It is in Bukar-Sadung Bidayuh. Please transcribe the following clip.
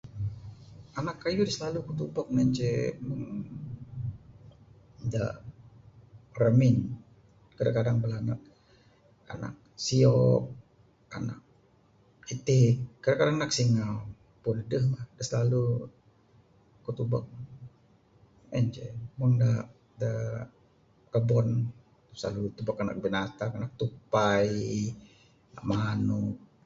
Anak kayuh da slalu kuk tubuk ne ce, da ramin. Kadang kadang bala anak, anak si'ok, anak itik, kadang kadang anak singau. Pun aduh mah da slalu kuk tubuk ne. En ceh mung da, da kabon akuk slalu tubuk anak binatang, anak tupai, anak manuk.